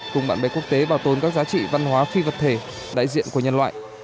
cùng bạn bè quốc tế bảo tồn các giá trị văn hóa phi vật thể đại diện của nhân loại